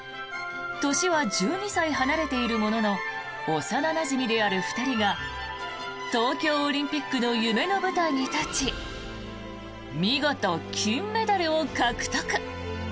年は１２歳離れているものの幼なじみである２人が東京オリンピックの夢の舞台に立ち見事、金メダルを獲得。